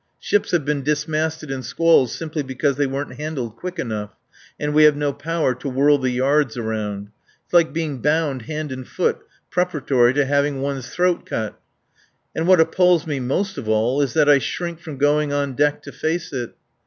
Ships have been dismasted in squalls simply because they weren't handled quick enough, and we have no power to whirl the yards around. It's like being bound hand and foot preparatory to having one's throat cut. And what appals me most of all is that I shrink from going on deck to face it.